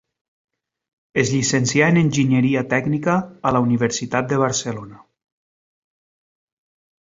Es llicencià en enginyeria tècnica a la Universitat de Barcelona.